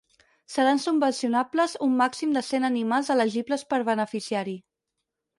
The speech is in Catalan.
Seran subvencionables un màxim de cent animals elegibles per beneficiari.